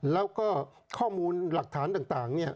แล้วก็ข้อมูลหลักฐานต่างเนี่ย